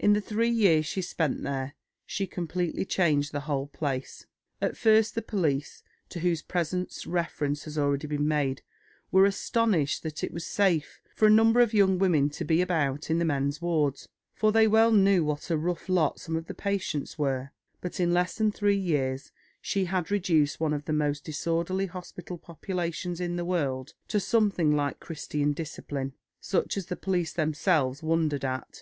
In the three years she spent there, she completely changed the whole place. At first the police, to whose presence reference has already been made, were astonished that it was safe for a number of young women to be about in the men's wards, for they well knew what a rough lot some of the patients were; but "in less than three years she had reduced one of the most disorderly hospital populations in the world to something like Christian discipline, such as the police themselves wondered at.